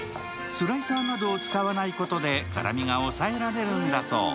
スライサーなどを使わないことで、辛みが抑えられるんだそう。